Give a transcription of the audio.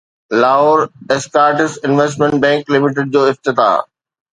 Lahore Escorts investment bank limited جو افتتاح